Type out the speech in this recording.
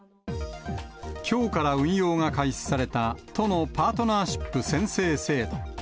きょうから運用が開始された都のパートナーシップ宣誓制度。